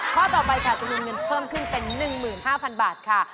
ข้อต่อไปค่ะจำนวนเงินเพิ่มขึ้นเป็น๑๕๐๐๐บาทค่ะ